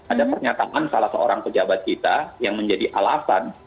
ada pernyataan salah seorang pejabat kita yang menjadi alasan